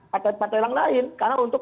partai partai lain karena untuk